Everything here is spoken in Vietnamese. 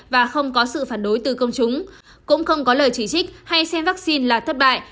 và không có sự phản đối từ công chúng cũng không có lời chỉ trích hay xem vaccine là thất bại